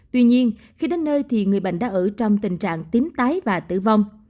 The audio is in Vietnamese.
tuy nhiên khi đến nơi thì người bệnh đã ở trong tình trạng tím tái và tử vong